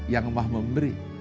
yang maha memberi